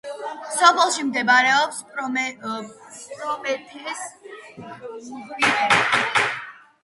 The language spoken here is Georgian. სოფელში მდებარეობს პრომეთეს მღვიმე.